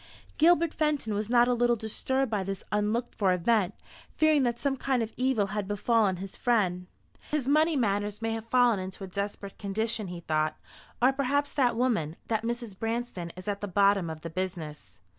Gilbert Fenton was not a little disturbed by this unlooked for event, fearing that some kind of evil had befallen his friend. "His money matters may have fallen into a desperate condition," he thought; "or perhaps that woman that Mrs. Branston, is at the bottom of the business."